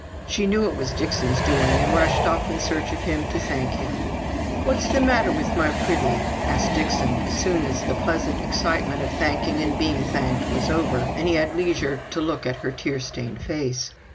She knew it was Dixon's doing and rushed off in search of him to thank him. "What's the matter with my pretty?" asked Dixon, as soon as the pleasant excitement of thanking and being thanked was over, and he had leisure to look at her tear stained face.